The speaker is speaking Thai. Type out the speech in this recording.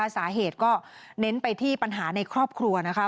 สาเหตุก็เน้นไปที่ปัญหาในครอบครัวนะคะ